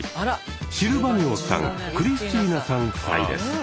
シルバ二オさんクリスチーナさん夫妻です。